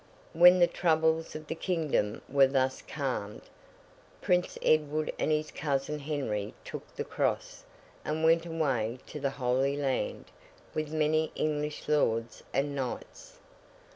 When the troubles of the Kingdom were thus calmed, Prince Edward and his cousin Henry took the Cross, and went away to the Holy Land, with many English Lords and Knights.